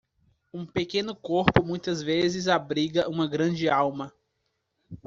Um pequeno corpo muitas vezes abriga uma grande alma.